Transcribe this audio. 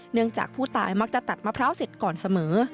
จากผู้ตายมักจะตัดมะพร้าวเสร็จก่อนเสมอ